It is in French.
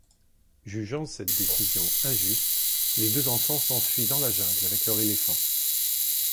Jugeant cette décision injuste, les deux enfants s'enfuient dans la jungle avec leur éléphant.